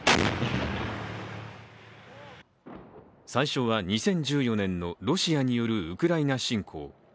最初は２０１４年のロシアによるウクライナ侵攻。